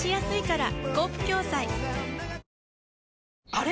あれ？